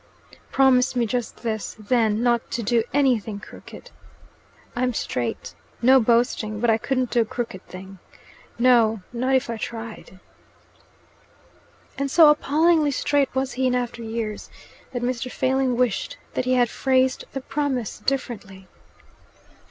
"Promise me just this, then not to do anything crooked." "I'm straight. No boasting, but I couldn't do a crooked thing No, not if I tried." And so appallingly straight was he in after years, that Mr. Failing wished that he had phrased the promise differently.